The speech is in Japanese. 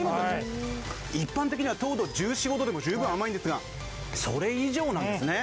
一般的には糖度１４１５度でも十分甘いんですが、それ以上なんですね。